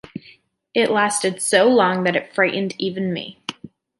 It lasted so long that it frightened even me.